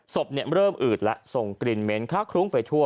ศพเริ่มอืดแล้วส่งกลิ่นเหม็นคล้าคลุ้งไปทั่ว